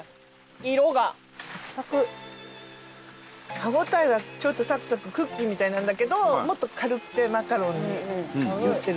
歯応えはちょっとサクサククッキーみたいなんだけどもっと軽くてマカロンに寄ってるね。